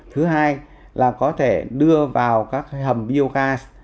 thứ hai là có thể đưa vào các hầm biogas